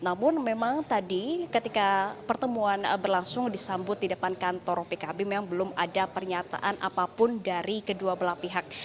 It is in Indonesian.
namun memang tadi ketika pertemuan berlangsung disambut di depan kantor pkb memang belum ada pernyataan apapun dari kedua belah pihak